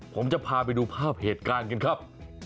ผมจะพาไปดูภาพเหตุการณ์กันครับ